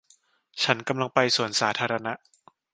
ฉันกำลังไปสวนสาธารณะ